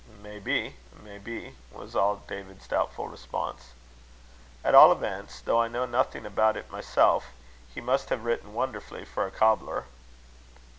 "Maybe, maybe," was all David's doubtful response. "At all events, though I know nothing about it myself, he must have written wonderfully for a cobbler."